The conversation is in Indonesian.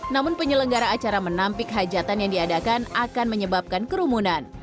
namun penyelenggara acara menampik hajatan yang diadakan akan menyebabkan kerumunan